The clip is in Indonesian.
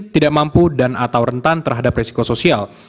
tidak mampu dan atau rentan terhadap risiko sosial